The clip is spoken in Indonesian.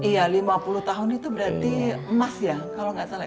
iya lima puluh tahun itu berarti emas ya kalau nggak salah